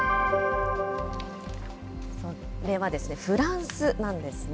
それはフランスなんですね。